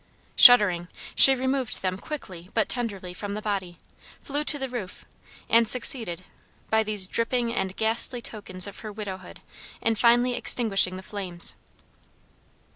Shuddering, she removed them quickly but tenderly from the body, flew to the roof and succeeded, by these dripping and ghastly tokens of her widowhood, in finally extinguishing the flames.